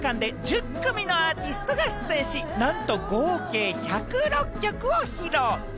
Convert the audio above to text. きのう、おとといの２日間で１０組のアーティストが出演し、なんと合計１０６曲を披露。